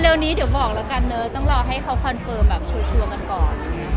เร็วนี้เดี๋ยวบอกแล้วกันเนอะต้องรอให้เขาคอนเฟิร์มแบบชัวร์กันก่อน